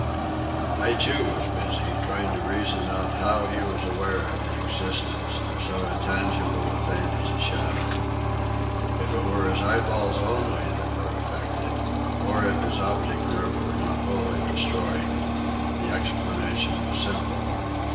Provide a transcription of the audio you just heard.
I, too, was busy, trying to reason out how he was aware of the existence of so intangible a thing as a shadow. If it were his eyeballs only that were affected, or if his optic nerve were not wholly destroyed, the explanation was simple.